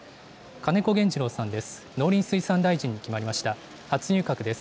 金子原二郎さんです。